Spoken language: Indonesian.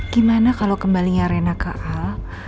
gimana kalo kembalinya rena ke al